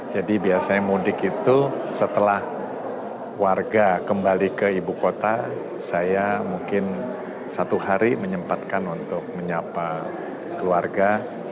jadi biasanya mudik itu setelah warga kembali ke ibu kota saya mungkin satu hari menyempatkan untuk menyapa keluarga